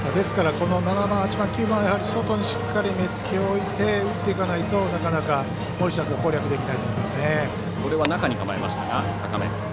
この７番、８番、９番は外にしっかり目付けを置いて打っていかないとなかなか森下君は攻略できないと思いますね。